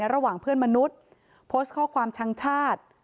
ระหว่างเพื่อนมนุษย์โพสต์ข้อความชังชาติ